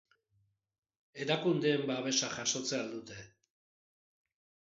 Erakundeen babesa jasotzen al dute?